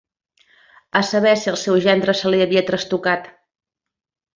A saber si el seu gendre se li havia trastocat